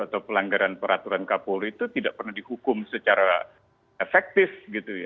atau pelanggaran peraturan kapolri itu tidak pernah dihukum secara efektif gitu ya